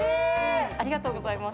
ありがとうございます